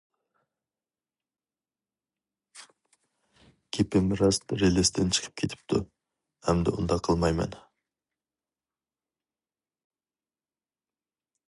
گېپىم راست رېلىستىن چىقىپ كېتىپتۇ، ئەمدى ئۇنداق قىلمايمەن.